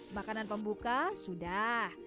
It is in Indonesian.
makanan pembuka sudah